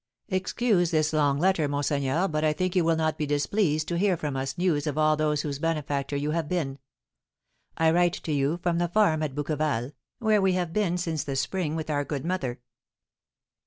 "Excuse this long letter, monseigneur, but I think you will not be displeased to hear from us news of all those whose benefactor you have been. I write to you from the farm at Bouqueval, where we have been since the spring with our good mother.